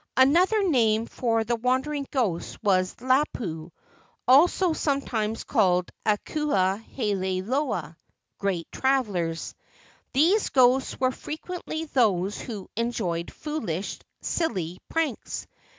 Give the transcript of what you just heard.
Another name for the wandering ghosts was lapu, also sometimes called Akua hele loa (great travellers). These ghosts were frequently those who enjoyed foolish, silly pranks.